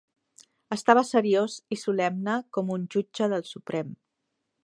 Estava seriós i solemne com un jutge del suprem.